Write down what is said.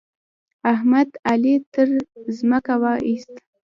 احمد؛ علي تر ځمکه واېست.